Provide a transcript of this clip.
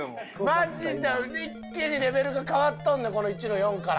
マジで一気にレベルが変わっとんねんこの１−４から。